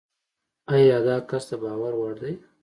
ایا داکس دباور وړ دی؟